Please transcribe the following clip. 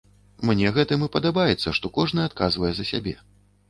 Мне гэтым і падабаецца, што кожны адказвае за сябе.